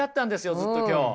ずっと今日。